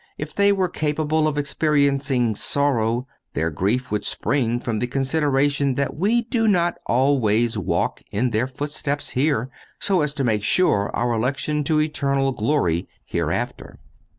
If they were capable of experiencing sorrow, their grief would spring from the consideration that we do not always walk in their footsteps here, so as to make sure our election to eternal glory hereafter.